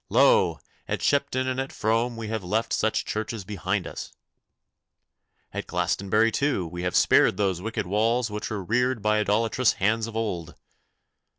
Lo! at Shepton and at Frome we have left such churches behind us. At Glastonbury, too, we have spared those wicked walls which were reared by idolatrous hands of old.